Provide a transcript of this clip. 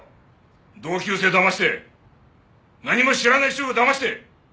同級生だまして何も知らない主婦だまして。